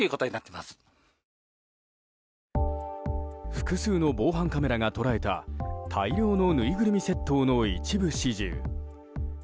複数の防犯カメラが捉えた大量のぬいぐるみ窃盗の一部始終。